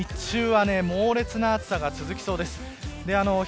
日中は猛烈な暑さが続きそうです。